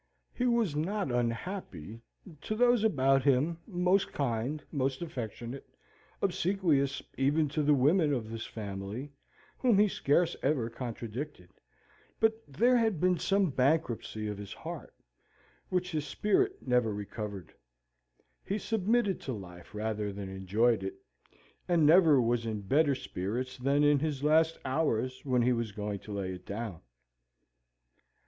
He was not unhappy to those about him most kind most affectionate, obsequious even to the women of his family, whom be scarce ever contradicted; but there had been some bankruptcy of his heart, which his spirit never recovered. He submitted to life, rather than enjoyed it, and never was in better spirits than in his last hours when he was going to lay it down.